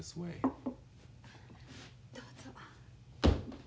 どうぞ。